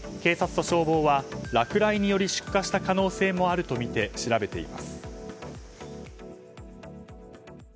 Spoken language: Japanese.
警察と消防は、落雷により出火した可能性もあるとみて調べています。